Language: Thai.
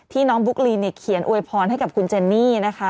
น้องบุ๊กลีนเนี่ยเขียนอวยพรให้กับคุณเจนนี่นะคะ